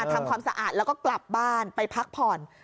ทำความสะอาดแล้วก็กลับบ้านไปพักผ่อน